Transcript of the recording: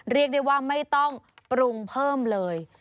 เรียกได้ว่าไม่ต้องปรุงเพิ่มเลย